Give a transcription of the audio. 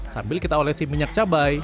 sambil kita olesi minyak cabai